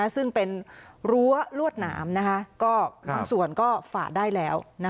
ซึ่งเป็นรั้วลวดหนามบางส่วนก็ฝ่าได้แล้ว